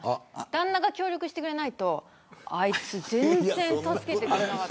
旦那が協力してくれないとあいつ全然助けてくれなかった。